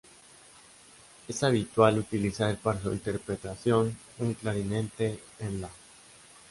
Es habitual utilizar para su interpretación un clarinete en la.